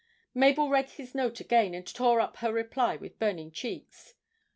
Mabel read his note again and tore up her reply with burning cheeks.